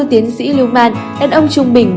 tiến sĩ lưu man đàn ông trung bình